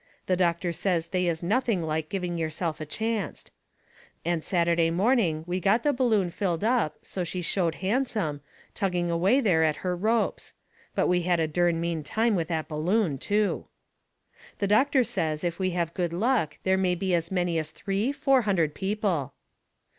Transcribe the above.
The doctor says they is nothing like giving yourself a chancet. And Saturday morning we got the balloon filled up so she showed handsome, tugging away there at her ropes. But we had a dern mean time with that balloon, too. The doctor says if we have good luck there may be as many as three, four hundred people.